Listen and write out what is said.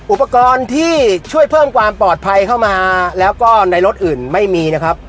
อุปกรณ์ที่ช่วยเพิ่มความปลอดภัยเข้ามาแล้วก็ในรถอื่นไม่มีนะครับ